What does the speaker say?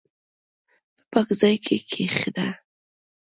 په پاک ځای کښېنه.